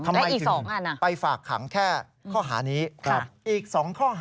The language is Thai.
ทำไมถึง